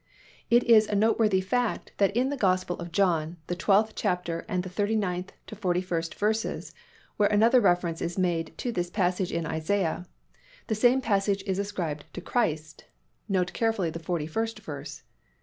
It is a noteworthy fact that in the Gospel of John, the twelfth chapter and the thirty ninth to forty first verses where another reference is made to this passage in Isaiah, this same passage is ascribed to Christ (note carefully the forty first verse).